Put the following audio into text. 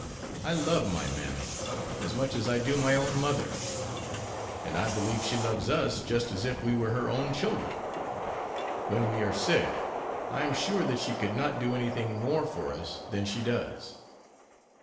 I love my mammy as much as I do my own mother, and I believe she loves us just as if we were her own children. When we are sick I am sure that she could not do anything more for us than she does."